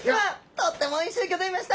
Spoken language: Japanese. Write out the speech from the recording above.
とってもおいしゅうギョざいました！